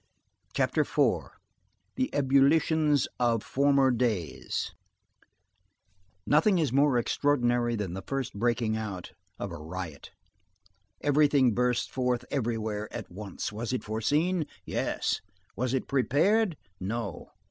CHAPTER IV—THE EBULLITIONS OF FORMER DAYS Nothing is more extraordinary than the first breaking out of a riot. Everything bursts forth everywhere at once. Was it foreseen? Yes. Was it prepared? No.